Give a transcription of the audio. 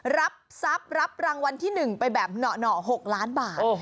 รับทรัพย์รับรางวัลที่๑ไปแบบหน่อ๖ล้านบาท